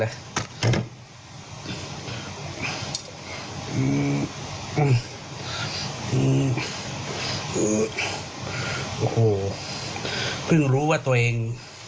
โอ้โหเพิ่งรู้ว่าตัวเอง